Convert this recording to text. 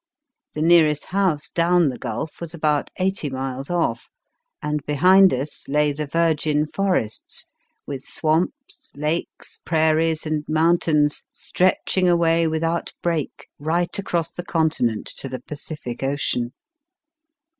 The nearest house down the gulf was about eighty miles off, and behind us lay the virgin forests, with swamps, lakes, prairies, and mountains, stretching away with out break right across the continent to the Pacific Ocean.